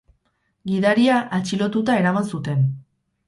Gidaria atxilotuta eraman zuten.